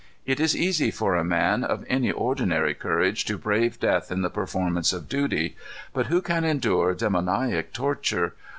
It is easy for a man of any ordinary courage to brave death in the performance of duty. But who can endure demoniac torture?